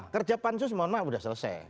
kerja pansus mohon maaf sudah selesai